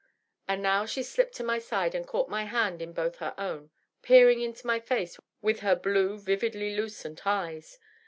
And now she slipped to my side and caught my hand in both her own, peering into my &ce with her blue, vividly lucent eyes.